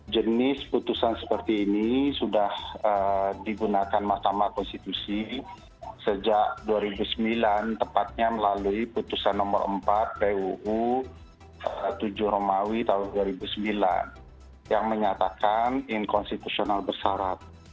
jenis putusan seperti ini sudah digunakan mahkamah konstitusi sejak dua ribu sembilan tepatnya melalui putusan nomor empat puu tujuh romawi tahun dua ribu sembilan yang menyatakan inkonstitusional bersarat